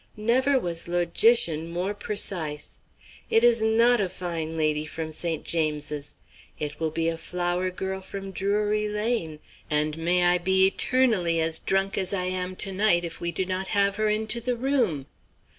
Never was logician more precise. It is not a fine lady from St. James's. It will be a flower girl from Drury Lane, and may I be eternally as drunk as I am to night, if we do not have her into the room."